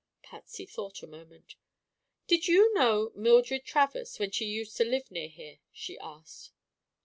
Patsy thought a moment. "Did you know Mildred Travers when she used to live near here?" she asked.